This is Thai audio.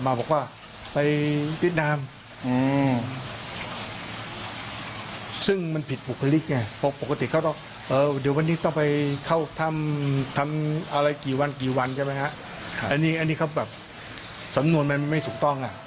มันไม่ถูกต้องอ่ะ